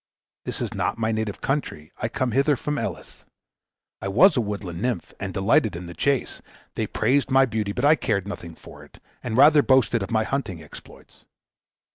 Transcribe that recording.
This is not my native country; I came hither from Elis. I was a woodland nymph, and delighted in the chase. They praised my beauty, but I cared nothing for it, and rather boasted of my hunting exploits.